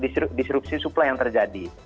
ada beberapa disrupsi supply yang terjadi